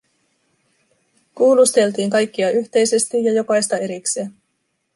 Kuulusteltiin kaikkia yhteisesti ja jokaista erikseen.